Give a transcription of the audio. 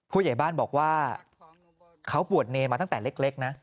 ผู้ใหญ่บ้านบอกว่าเขาปวดเนรมาตั้งแต่เล็กนะ